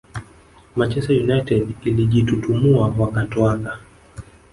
Manchester United ilijitutumua wakatoaka